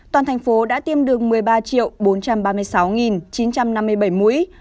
toàn thành phố đã tiêm được một mươi ba bốn trăm ba mươi sáu chín trăm năm mươi bảy mũi